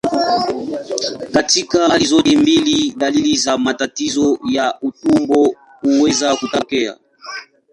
Katika hali zote mbili, dalili za matatizo ya utumbo huweza kutokea.